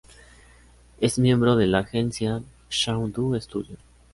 Es miembro de la agencia "Shawn Dou Studio".